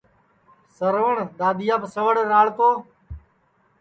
سروٹؔ دؔادِؔیاپ سوڑ راݪ تو